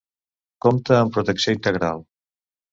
Compta amb protecció integral.